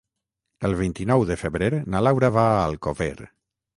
El vint-i-nou de febrer na Laura va a Alcover.